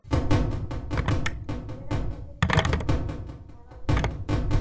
Los primeros viajes espaciales reforzaron esta idea.